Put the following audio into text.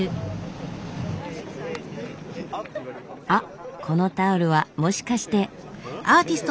あっこのタオルはもしかして。